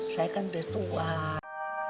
saya kan betul